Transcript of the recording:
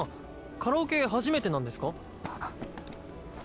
カラオケ初めてなんですか？